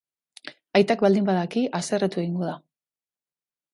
Aitak baldin badaki, haserretu egingo da.